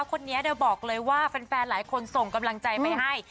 คนนี้บอกเลยว่าแฟนหลายคนส่งกำลังใจไปให้